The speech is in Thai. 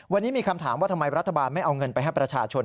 วันนี้มีคำถามว่าทำไมรัฐบาลไม่เอาเงินไปให้ประชาชน